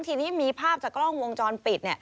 ทีนี้มีภาพจากกล้องวงจรปิด